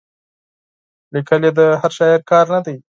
لیکل یې د هر شاعر کار نه دی.